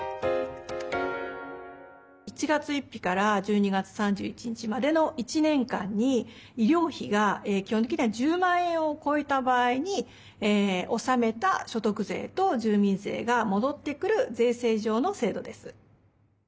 １月１日から１２月３１日までの１年間に医療費が基本的には１０万円を超えた場合に納めた所得税と住民税が戻ってくる税制上の制度です。